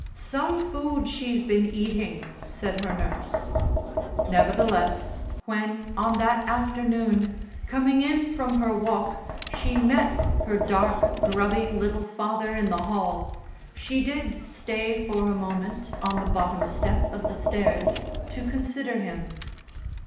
"Some food she's been eating," said her nurse. Nevertheless, when, on that afternoon, coming in from her walk, she met her dark, grubby little father in the hall, she did stay for a moment on the bottom step of the stairs to consider him.